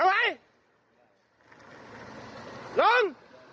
เอาไว้ลง